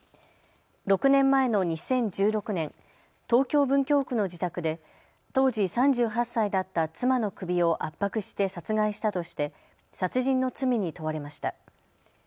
６年前の２０１６年、東京文京区の自宅で当時３８歳だった妻の首を圧迫して殺害したとして殺人の罪に問われました。